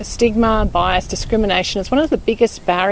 stigma bias diskriminasi adalah salah satu peraturan yang paling besar